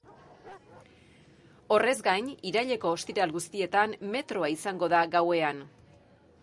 Horrez gain, iraileko ostiral guztietan metroa izango da gauean.